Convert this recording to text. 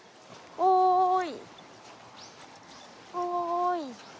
おい！